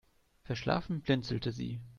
Verschlafen blinzelte sie.